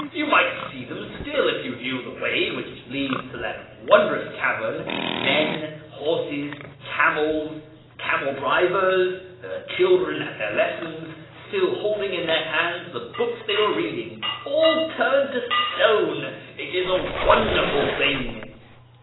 You might see them still if you knew the way which leads to that wondrous cavern — men, horses, camels, camel drivers, children at their lessons, still holding in their hands the books they were reading, — all turned to stone ! It is a wonderful thing